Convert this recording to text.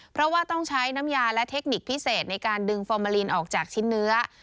เพราะว่าต้องใช้น้ำยาและเทคนิคพิเศษในการดึงฟอร์มาลีนออกจากชิ้นเนื้อ